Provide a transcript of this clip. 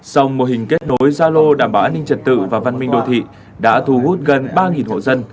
sông mô hình kết nối gia lô đảm bảo an ninh trật tự và văn minh đô thị đã thu hút gần ba hộ dân